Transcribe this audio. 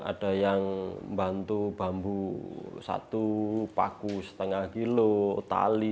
ada yang membantu bambu satu paku setengah kilo tali